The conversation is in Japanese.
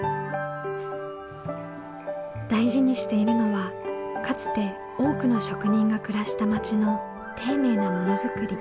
大事にしているのはかつて多くの職人が暮らした町の丁寧なものづくり。